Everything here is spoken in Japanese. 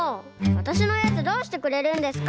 わたしのおやつどうしてくれるんですか？